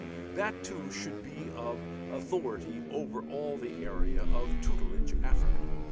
That, too, should be of authority over all the area of "tutelage" Africa.